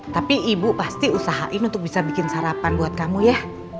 tapi ibu pasti usahain untuk bisa bikin sarapan buat kamu ya